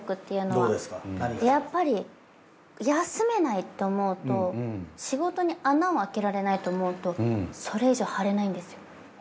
やっぱり休めないって思うと仕事に穴をあけられないと思うとそれ以上腫れないんですよ。